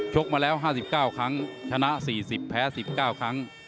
กมาแล้ว๕๙ครั้งชนะ๔๐แพ้๑๙ครั้ง